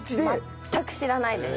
全く知らないです。